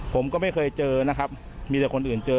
ผมก็ไม่เคยเจอนะครับมีแต่คนอื่นเจอ